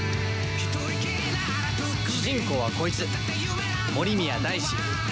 主人公はこいつ森宮大志。